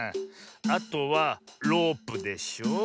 あとはロープでしょ。